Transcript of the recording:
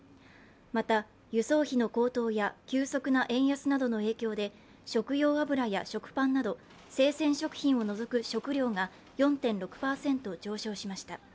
また、輸送費の高騰や急速な円安などの影響で食用油や食パンなど生鮮食品を除く食料が４．６％上昇しました。